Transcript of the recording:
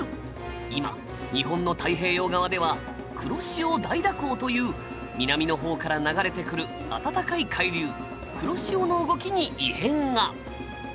今日本の太平洋側では黒潮大蛇行という南の方から流れてくる暖かい海流黒潮の動きに異変が。